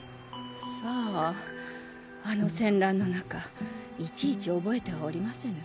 さああの戦乱の中いちいち覚えてはおりませぬ。